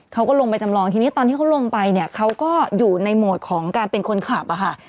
เขาก็ลงไปจำลองทีนี้ตอนที่เขาลงไปเนี่ยเขาก็อยู่ในโหมดของการเป็นคนขับอะค่ะ